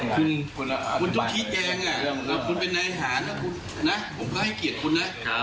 คุณชุดชี้แจงคุณเป็นในอาหารนะผมให้เกียรติคุณนะ